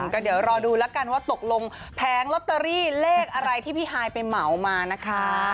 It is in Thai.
ก็เดี๋ยวรอดูแล้วกันว่าตกลงแผงลอตเตอรี่เลขอะไรที่พี่ฮายไปเหมามานะคะ